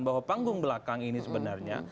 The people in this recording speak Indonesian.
bahwa panggung belakang ini sebenarnya